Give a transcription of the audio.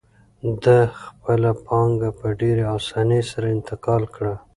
ده خپله پانګه په ډېرې اسانۍ سره انتقال کړه.